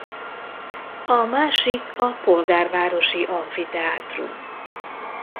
A másik a polgárvárosi amfiteátrum.